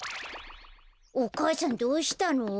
お母さんどうしたの？